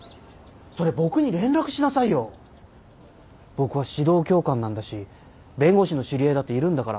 僕は指導教官なんだし弁護士の知り合いだっているんだから。